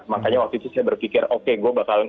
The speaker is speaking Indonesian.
makanya waktu itu saya berpikir oke gue bakalan